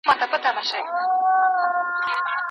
پل د چا کورته دریږي لاس د چا په وینو سور دی